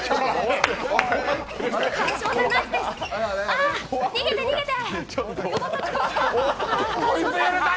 あ、逃げて逃げて。